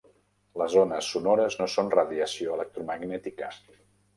Les ones sonores no són radiació electromagnètica.